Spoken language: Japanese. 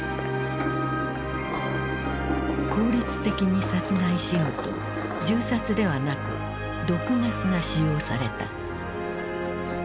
効率的に殺害しようと銃殺ではなく毒ガスが使用された。